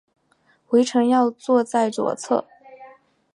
回程要坐在左侧